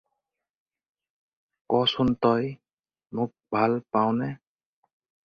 কচোন তই মোক ভাল পাৱনে?